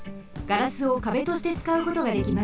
ガラスを壁としてつかうことができます。